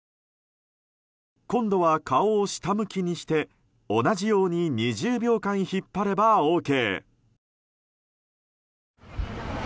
今度は、顔を下向きにして同じように２０秒間引っぱればＯＫ！